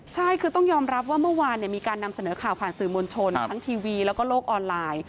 ใช่คือต้องยอมรับว่าเมื่อวานมีการนำเสนอข่าวผ่านสื่อมวลชนทั้งทีวีแล้วก็โลกออนไลน์